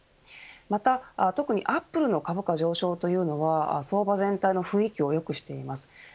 また、特にアップルの株価上昇というのは相場全体の雰囲気を良くしています。